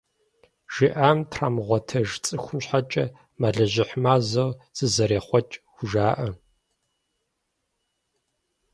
ЖиӀам трамыгъуэтэж цӀыхум щхьэкӀэ «Мэлыжьыхь мазэу зызэрехъуэкӀ» хужаӀэ.